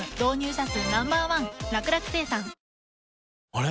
あれ？